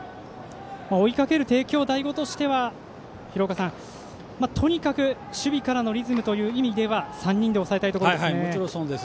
追いかける帝京第五としてはとにかく守備からのリズムという意味では３人で抑えたいところですね。